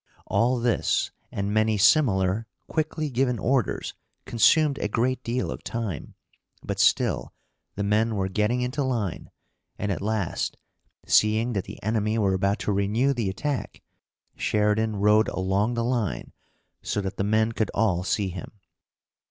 All this and many similar quickly given orders consumed a great deal of time, but still the men were getting into line, and at last, seeing that the enemy were about to renew the attack, Sheridan rode along the line so that the men could all see him.